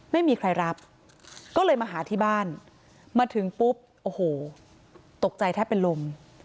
ไม่มีใครรับก็เลยมาหาที่บ้านมาถึงปุ๊บโอ้โหตกใจแทบเป็นลม